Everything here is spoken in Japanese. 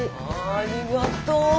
ありがとう。